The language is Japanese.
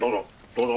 どうぞ。